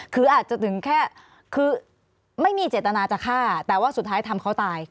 คืออาจจะถึงแค่คือไม่มีเจตนาจะฆ่าแต่ว่าสุดท้ายทำเขาตาย